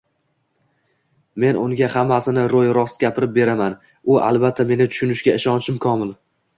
Men unga hammasini ro`y-rost gapirib beraman, u, albatta, meni tushunishiga ishonchim komil